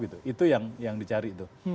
itu yang dicari